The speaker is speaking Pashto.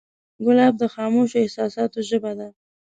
ګلاب د خاموشو احساساتو ژبه ده.